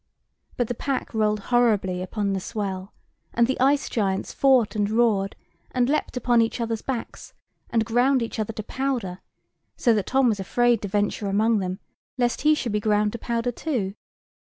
But the pack rolled horribly upon the swell, and the ice giants fought and roared, and leapt upon each other's backs, and ground each other to powder, so that Tom was afraid to venture among them, lest he should be ground to powder too.